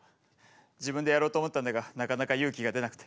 自分でやろうと思ったんだがなかなか勇気が出なくて。